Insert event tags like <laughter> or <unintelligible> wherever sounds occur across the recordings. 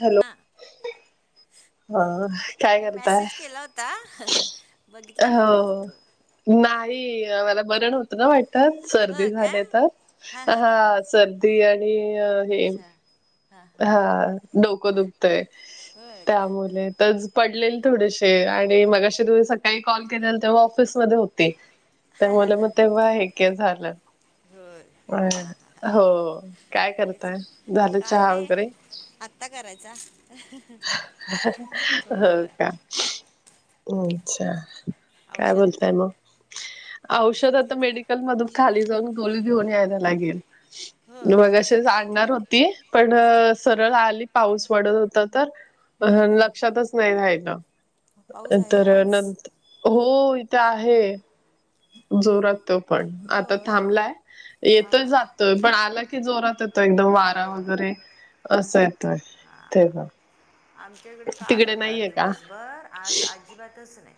Hello, हां हो काय मी करताय. मेसेज केला होता बघितला नाही वाटतं हो. तो नाही मला बर नव्हतं न वाटत हो सर्दी का झाली तर, हां हां हां हां हा सर्दी आणि अ अच्छा. हा डोकं दुखतंय होय का त्यामुले त पडलेल थोडेसे आणि मगाशी तुम्ही सकाळी कॉल केलेला तेव्हा ऑफिसमध्ये होते. त्यामुले मग तेव्हा हे के झालं. होय होय हां हां हो काय तेच करताय, झालं काय चहा नाही वगैरे? आत्ता करायचा, हो होय. का अच्छा. काय बोलताय औषध मग औषध आता मेडिकल मधून खाली जाऊन गोली घेऊन यायला लागेल होय मगाशी आणणार होती. पण हां सरळ आली पाऊस पडत होता तर, अ हम्म, हम्म. लक्षातच नाही पाऊस रायलं आहे तर आज नंत हो इथे आहे. जोरात तो पण आता होय थांबलाय हां येतोय जात पण आला की जोरात येतोय एकदम वारा होय वगैरे असं येतोय ते आमच्याकडे काल होता का? दिवसभर आज अजिबातच नाही.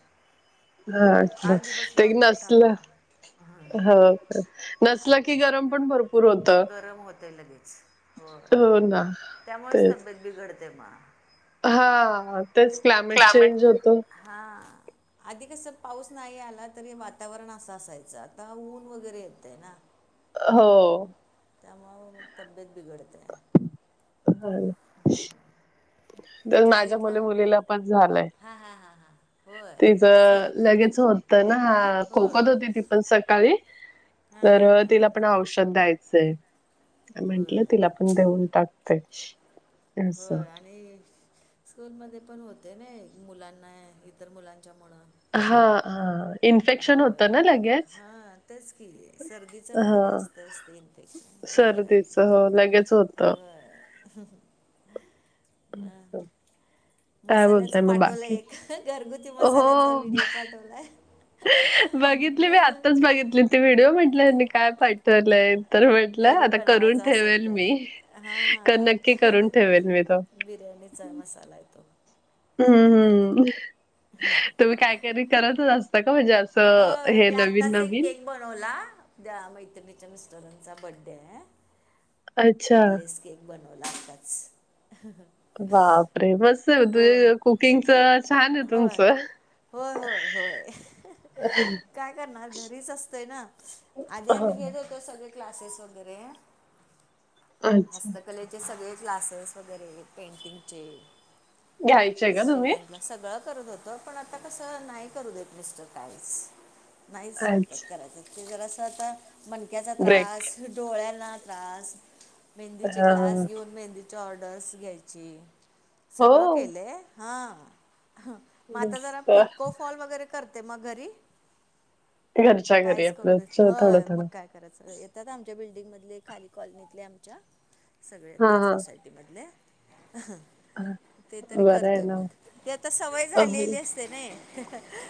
हा अच्छा काल ते दिवसभर मोठा नसलं होता ह नसलं की गरम पण भरपूर होत गरम होतय लगेच होय. हो ना त्यामुळेच तेच तब्येत बिघडते मग हा तेच क्लायमेट चेंज होतं. हां, आधी कसं पाऊस नाही आला तरी वातावरण असं असायचं. आता ऊन वगैरे येतयं ना, हो. त्यामुळे म तब्येत बिघडते. होय. हम्म, तर माझ्या मुली मुलीला पण झालंय. हां हां हां होय तिचं सर्दी लगेच होत. तं ना खोकत होती ती पण सकाळी हा तर हा हा तिला हा, पण औषध द्यायचंय. म्हटलं होय तिला पण देऊन टाकते. अस होय. आण आणि स्कूलमध्ये पण होते ने मुलांना इतर मुलांच्या मुळं हा हा, इन्फेक्शन होतं ना लगेच हा तेच की सर्दीच वगैरे हा असतं अस ते इन्फेक्शन बरोबर आहे. कफ <inaudible> हां <inaudible> काय मसाल्याचं बोलताय मग पाठवलंय बाकी एक घरगुती मसाल्याचा हो व्हिडिओ पाठवलाय. बघितली मी आत्ताच बघितली, ती व्हिडिओ म्हटले ह्यांनी काय पाठवलंय. तर म्हटलं घरी आता करून बनवायचा असेल ठेवेल तर मी, नक्की हां करून ठेवेल मी तो. बिर्याणीचा मसाला हाय तो. हम्म, हम तुम्ही कायतरी करतच असता का? म्हणजे अस त, होय हे मी नवीन आत्ताच एक -नवीन. केक बनवला, उद्या मैत्रिणीच्या मिस्टरांचा बडे हाय. अच्छा एगलेस केक बनवला आताच. हं, हं. बापरे मस्त आहे म, ते कुकिंगच छान आहे होय. तुमचं. होय, होय, होय. काय करणार घरीच असतोय ना, आधी हा, आम्ही घेत होतो. तो सगळे क्लासेस वगैरे. अच्छा हस्तकलेचे सगळे क्लासेस वगैरे पेंटिंगचे. घ्यायचंय का तुम्ही शिवन क्लास, सगळं करत होतो. हो पण आता कसं नाही करू देत मिस्टर कायच, नाहीच म्हणतात अच्छा करायच. ते जरास आता मणक्याचा ब्रेक त्रास, डोळ्याना त्रास, मेहंदीचे हा, क्लास घेऊन, मेहंदीच्या ऑर्डर्स घ्यायची. सगळं हो केलय. हा, ह म आता जरा मस्त पिको फॉल वगैरे करते मग घरी, घरच्या घरी कायच करू आपलं देत थोडं हय मग थोडं काय करायचं, येतं येतात आमच्या बिल्डिंगमधले, खाली कॉलनीतले आमच्या सगळे हा येतात सोसायटी आपल्या. हा ते तरी बरं आहे करतोय ना मग, ती आता सवय अ झालेली अस ते नाही.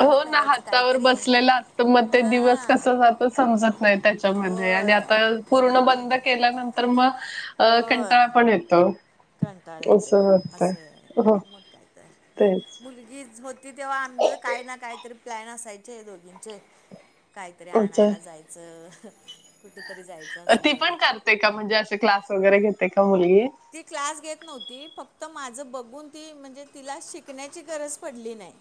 हो ना, हातावर बसलेलं असत, मग ते दिवस हां कस जातो समजत नाही त्याच्या म्हणजे आणि होय आता पूर्ण बंद केल्यानंतर म, होय कंटाळा पण येतो. कंटाळ येतोय, असं वाटतंय असंय हो मग कायतर. तेच मुलगीच होत ति तेव्हा आमचं काही ना काहीतरी प्लॅन असायचे दोघींचे, काहीतरी अच्छा आणायला जायचे. अं, हं कुठेतरी जा ती पण करते का? म्हणजे असे क्लास वगैरे घेते का मुलगी? ती क्लास घेत नव्हती, फक्त माझं बघून ती म्हणजे तिला शिकण्याची गरज पडली नाही.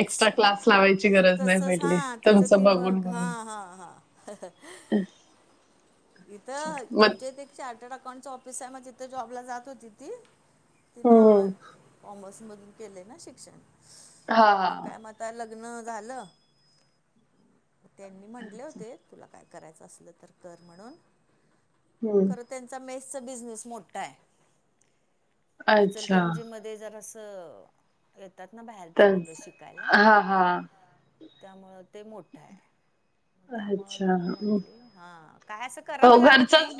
एक्स्ट्रा क्लास लावायची गरज नाही तसंच पडली. हां तिचं तुमचं ती बघून, मग बघून. हां हां, हां. हहं. <unintelligible> अच्छा, इथं मग आमच्या इथे एक चार्टर्ड अकाउंटच ऑफिस हाय, मग तिथे जॉबला जात होती ती. हा, हम्म कॉमर्समधून केलय ना शिक्षण, हा हा मग काय म आता लग्न झालं, त्यांनी म्हटले होते तुला काय करायच असल तर कर म्हणून, हम्म करत त्या मेसचा बिजनेस मोठा हाय. अच्छा इचलकरंजी मध्ये तर असं, येतात ना बाहेरची मुलं तेच शिकायला. हा हा त्यामुळ ते मोठं हाय त्यामुळं अच्छा नको हं. म्हटली. हा. काय असं करावं लागत नाही.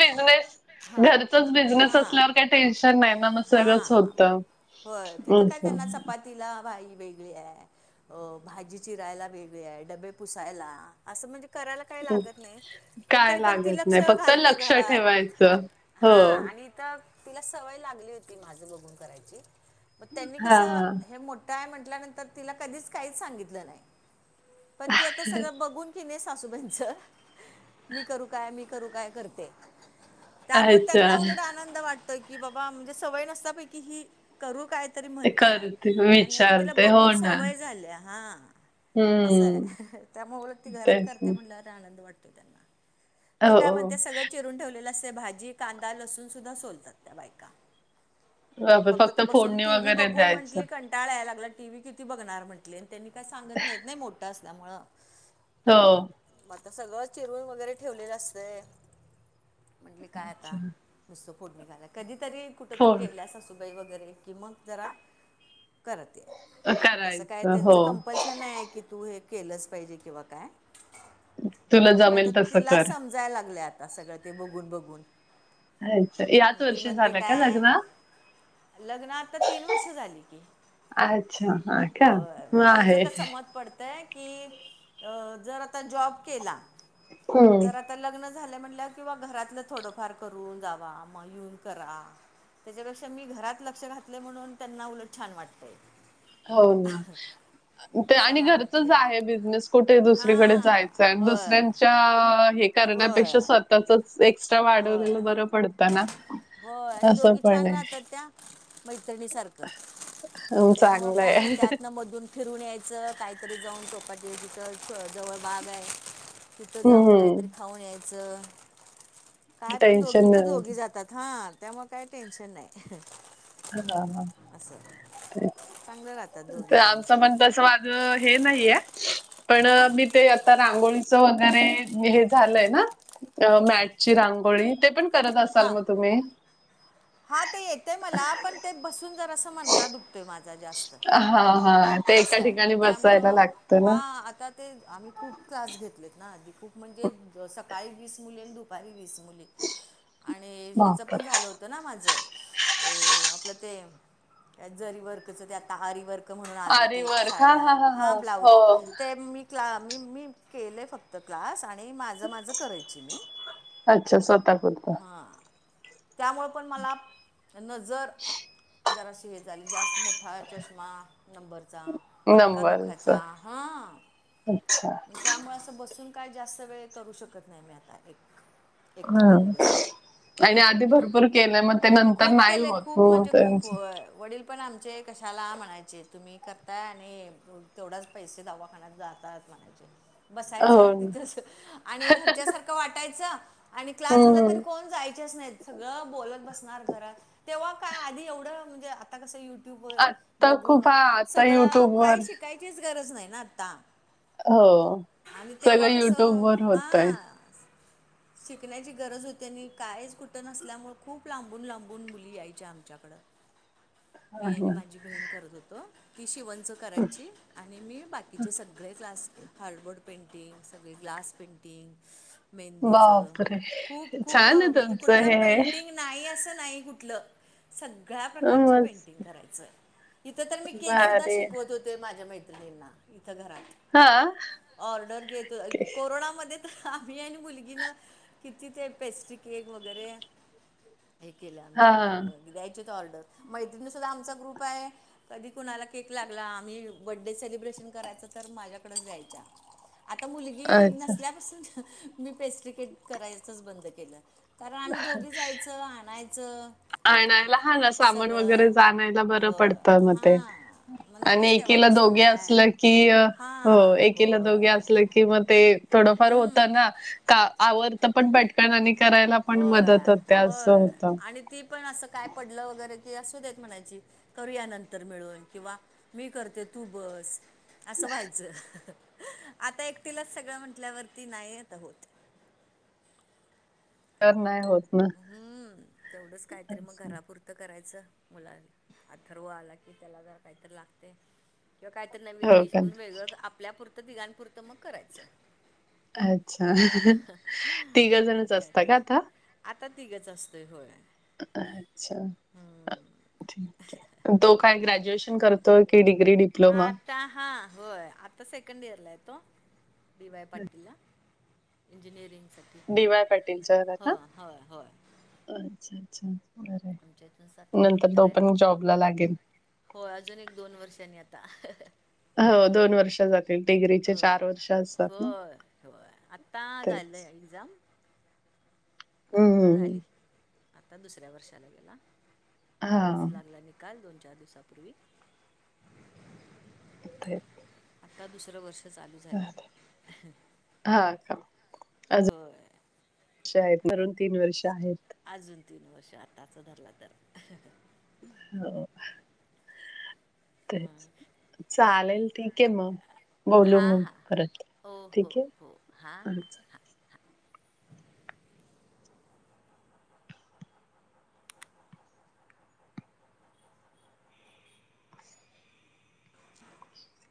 हा घरचच बिझनेस हा असल्यावर काय टेन्शन नाही ना, सगळंच हा. होतं. होय, तिथं काय असं त्यांना चपाती तिला बाई वेगळी हाय, अ भाजी चिरायला वेगळी हाय, डबे पुसायला. असं म्हणजे करायला काय लागत नाही, पण काय तरी पण लागत स नाही फक्त घालते लक्ष घरात,, ठेवायचं. हो हां आणि इथं तिला सवय लागली होती माझ बघून करायची, त्यांनी हा कसं काय म्हटल्यानंतर तिला कधीच काहीच सांगितलं नाही, पण ती आता सगळं बघून कि नाही सासूबांईंचं, मी करू काय मी करू काय करते. हा त्यामुळे त्यांना अच्छा उलट आनंद वाटतो की बाबा, म्हणजे सवय नसता पैकी ही करू काय तरी म्हणत्या, करते आणि आता तिला विचारते बघून हो ना सवय झाल्या,, हा. असं हम्म आहे, त्यामुळे ती घरात तेच करते ना म्हणल्यावर आनंद वाटतो त्यांना. ती हो काय हो म्हणते, सगळं चिरून ठेवलेलं असतय, भाजी कांदा लसूण सुद्धा सोलतात त्या बायका. मग बापरे फक्त आता बसून, फोडणी टीव्ही वगैरे बघून द्यायचं म्हटली कं टाळायला लागला, टी व्ही किती बघणार म्हंटले आणि त्यांनी काय सांगत नाहीत नाही मोठं असल्यामुळं. हो. मग तर सगळं चिरून वगैरे ठेवलेलं असतंय,, म्हटली काय अच्छा आता. नुसतं फोड निघायला, कधी तरी कुठंतरी फोड गेल्याला अस वगैरे की मग जरा करत्यात, तसं काय करायचं त्यंच हो कंपलश अं नाही की तू हे केलंच पाहिजे किंवा काय तुला जमेल तसं कर. समजाय लागलय आता, सगळे ते बघून बघून. अच्छा, मग याच ती वर्ष म्हणते झालय का काय लग्न? लग्न, आता तीन वर्ष झाली की. अच्छा हा का होय, म मग तिझं आहे कसं मत पडतं, की जर आता जॉब केला, हम्म तर आता लग्न झालं म्हणल्यावर किंवा घरातलं थोडंफार करून जावा मग येऊन करा. त्याच्यापेक्षा मी घरात लक्ष घातलय म्हणून त्यांना उलट छान वाटतेय. होऊ ना. ते आणि कशाला म्हटले घरचच आहे बिझनेस, कुठे दुसरीकडे हां जायचंय आणि होय दुसऱ्यांच्या हे होय करण्यापेक्षा स्व त्यातच एक्स्ट्रा होय वाढवलेलं बर पडतं ना, अस पण आय. मैत्रिणीसारकं. हो. त्यामुळ काय नाइ, त्यातन मदुन. फिरून यायचं, काइतरी जाऊन चौपाटी या तिथ तरं जवळ बाग आय. तित जाऊन काइतरी हम्म खाऊन यायचं. काय पण टेन्शन दोगीच्या नाही दोगी जातात हा, त्यामुळ काय टेन्शन नाइ. हां हां. असं. चांगलं राहतात ते दोघी जणी आमचं मण तस वा हे नाइय, पण हां मी ते आता रांगोळीचं वगैरे,, हे झालंय ना. अ हां मॅटची रांगोळी, ते पण करत असाल म तुम्ही. हा ते येतय मला, पण ते बसून जरासं मनका दु कतोय माजा जास्त, हा हा ते एका असय ठिकाणी बसायला त्यामुळं लागतं ना हा आता ते आम्ही खूप त्रास घेतलेत ना आधी, खूप म्हणजे सकाळी वीस मुली आणि दुपारी वीस मुली. आणि हेच पण बापर झालं त ना माजं, अ आपलं ते जरी वर्कच ते आत्ता आरी वर्क. क म्हणून आले ते साड्या हा ब्लाऊज ते मी क्ला मी मी केले फक त क्लास आणि माज माज करायची मी अच्छा स्वतः पुरता हा. त्यामुळं पण मला नजर. जराशी हे झाली ज्यास्त मोठा चष्मा. नंबरचा मनका नंबरच दुखायचा हं अच्छा आण त्यामुळ त बसून काय जास्त वेळ करू शकत नाइ मी आता एक एक हा ठिकाणी बसून. आणि आदि. खूप केलय, खूप मग मणजे खूप, त्यांचं आ वडील पण आमचे कशाला मणायचे तुमी करताय आणि तेवडाच पैसे दवाखान्यात जातायेत म्हने. बसायचं हो ना तिथच आणि घरच्या सारक वाटायचं. आणि क्लास झाला तर हम्म कोण जायच्याच नाहीत. सगळं बोलत बसणार घरात तेव्वा काय आदी एवड मणजे. आता कसं युट्यूबवर आता बगुन खूप हा आता सगळं युट्यूब वर काही शिकायचीच गरज नाही ना आत्ता. हो आणि सगळं तेव्वा कस युट्यूब वर हा. होतय शिकण्याची गरज होती आणि कायच कुट नसल्यामुळ खूप लांबून लांबून मुली यायच्या आमच्याकडं. मी आणि माजी बहीण करत होतो ती शिवंनच करायची. आणि मी बाकीचे सगळे क्लास हार्डबोर्ड पेंटिंग, सगळे ग्लास पेंटिंग. मेदीचं, बापरे खूप खूप छान आहे मणजे तुमचं कुटल हे पेंटिंग नाई असं नाई कुटलं. सगळ्या प्रकारची पेंटिंग मस्त करायचं इत तर मी केक सुदा भारी आहे शिकवत होते. ते माज्या मैत्रिणींना इथ हा घरात ऑर्डर घेत ओके कोरोनामदे आम्ही आणि मुलगीन किती ते पेस्ट्री केक वगेरे. हे केलं आम्ही हा म द्यायची होती ऑर्डर मैत्रिणी सुद्धा आमचा ग्रुप आहे. कदी कुणाला केक लागला आमी बड्डे सेलिब्रेशन करायच तर माज्याकडच द्यायच्या. आता मुलगी अच्छा नसल्यापासून मी पेस्ट्रिकेक करायचंच बंद केलं. कारण आमी दोगी जायचं आणायचं. आणायला हा ना सामान वगेरे सगळं जानायला बरं हो पडतं म ते. हां मग आणि नाहीच एकीला तेव्हापासून दोघी काय असलं की, हो हां एकीला होय दोघी असलं. कि म ते थोडंफार होतं ना का आवरत पण पट कारण आणि करायला पण होय मदत होते असं होय होतं. आणि ती पण असं काय पडलं वगै तं ती असु देत म्हनायची करूया नंतर मिळून किंवा मी करते तू बस. असं व्हायचं आता एकटीलाच सगळं म्हटल्यावरती नाइ आता होत. तर नाही होत. ना हूं तेवढंच काहीतरी मग असं. घरापुर त करायचं मुलाला अथर्व आला की त्याला जरां काहीतरी लागतय. किवा काहीतरी नवीन हो डिश का म्हणून वेगळं आपल्यापुरतं दिघांपुरतं मग करायचं. अच्छा मग तिघजणच काय असत तर का आता? आता तिघंच असतंय होय! अच्छा ठीक हे. तो काय ग्रॅज्युएशन करतोय की डिग्री डी हा आता हा होय आता सेकंड इयरला आहे तो बी वाय पाटीलला. इंजिनिअरिंगसाठी डी वाय पाटीलच्या ह ना होय होय. अच्छा अच्छा बरय आमच्या इथून सात नंतर तो पण जॉब ला लागेनं. हो अजून एक दोन वर्षांनी आता. हो दोन वर्षा जात ह होय होय. आत्ता झालं तेच. एक्झाम. आत्ता हम्म झाली. आता दुसऱ्या वर्षाला गेला, हा परवाच लागला नि काल. दोन चार दिवसपूर्वी. इथं आता दुसरं वर्ष चालू झालं. हा का होय. शाळेत धरून तीन वर्ष आहेत. अजून तीन वर्ष आताच धरलं तर. हो तेच. चालेल, ठीक आहे म. बोलू हां मग हां परत. ओ हो ठीके? हो हां हां अं <inaudible>